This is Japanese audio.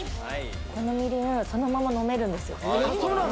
このみりん、そのまま飲めるんですよ。